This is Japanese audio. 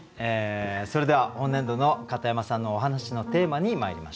それでは本年度の片山さんのお話のテーマにまいりましょう。